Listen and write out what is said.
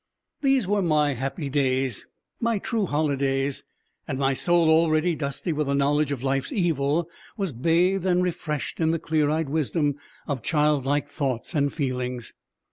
These were my happy days, my true holidays, and my soul already dusty with the knowledge of life's evil was bathed and refreshed in the clear eyed wisdom of child like thoughts and feelings.